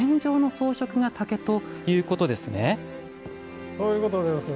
そういうことです。